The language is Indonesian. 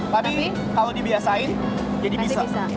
tapi kalau dibiasain jadi bisa